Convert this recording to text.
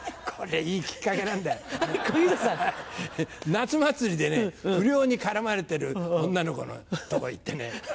夏祭りで不良に絡まれてる女の子の所行ってね